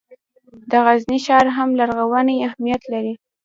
د غزني ښار هم لرغونی اهمیت لري.